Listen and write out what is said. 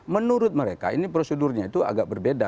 menurut mereka ini prosedurnya itu agak berbeda